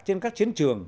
trên các chiến trường